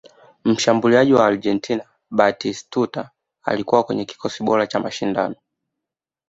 mshambulizi wa argentina batistuta alikuwa kwenye kikosi bora cha mashindano